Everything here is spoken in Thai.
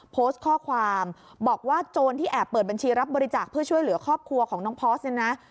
โพสต์ข้อความบอกว่าโจรที่แอบเปิดบัญชีรับบริจาคเพื่อช่วยเหลือครอบครัวของน้องพอร์สเนี่ยนะ